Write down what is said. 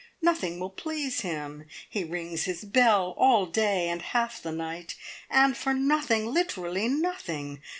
Nothing will please him. He rings his bell all day, and half the night, and for nothing literally nothing!